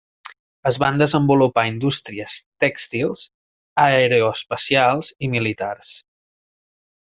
Es van desenvolupar indústries tèxtils, aeroespacials i militars.